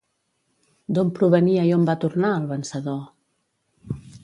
D'on provenia i on va tornar, el vencedor?